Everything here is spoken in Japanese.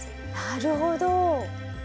なるほど。